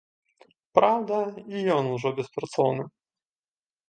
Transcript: Праўда, і ён ужо беспрацоўны.